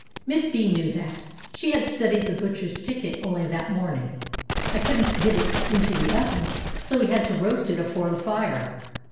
(Miss B. knew that; she had studied the butcher's ticket only that morning.) "I couldn't get it into the oven, so we had to roast it afore the fire.